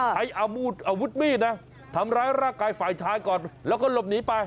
ใช้อาวุธอาวุธมีดนะทำร้ายร่างกายฝ่ายชายก่อนแล้วก็หลบหนีไป